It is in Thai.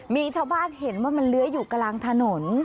มีชาวบ้านเห็นว่ามันเลื้อยอยู่กลางถนน